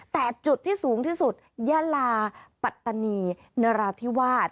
แต่จุดที่สูงที่สุดยาลาปัตตานีนราธิวาส